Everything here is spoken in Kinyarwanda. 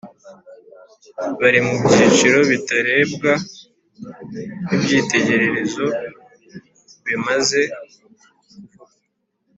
Bari mu byiciro bitarebwa n’ibyitegererezo bimaze kuvugwa